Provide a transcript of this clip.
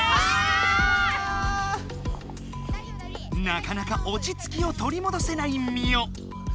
なかなか落ち着きをとりもどせないミオ。